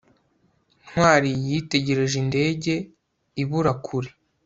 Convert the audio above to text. ntwali yitegereje indege ibura kure